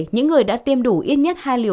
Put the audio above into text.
những người đã tiêm đủ ít nhất hai liều